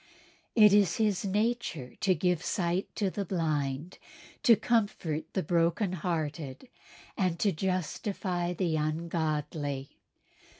It is His nature to give sight to the blind, to comfort the broken hearted and to justify the ungodly."